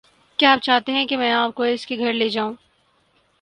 کیا آپ چاہتے ہیں کہ میں آپ کو اس کے گھر لے جاؤں؟